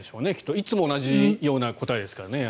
いつも同じような答えですからね。